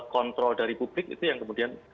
kontrol dari publik itu yang kemudian